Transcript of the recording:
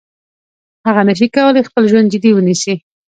هغه نشي کولای خپل ژوند جدي ونیسي.